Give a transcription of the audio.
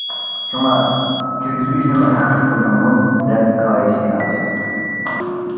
شۇڭا كىرگۈزگۈچنىمۇ ھەقسىز قىلدىڭمۇ دەپ كايىش بىھاجەت.